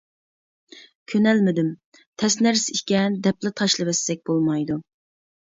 كۆنەلمىدىم، تەس نەرسە ئىكەن دەپلا تاشلىۋەتسەك بولمايدۇ.